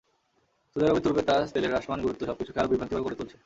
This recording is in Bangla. সৌদি আরবের তুরুপের তাস তেলের হ্রাসমান গুরুত্ব সবকিছুকে আরও বিভ্রান্তিকর করে তুলছে।